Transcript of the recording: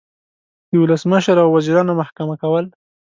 د ولسمشر او وزیرانو محکمه کول